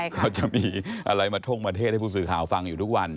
เขาจะมีอะไรมาท่งมาเทศให้ผู้สื่อข่าวฟังอยู่ทุกวัน